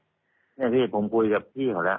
เพราะว่าตอนแรกมีการพูดถึงนิติกรคือฝ่ายกฎหมาย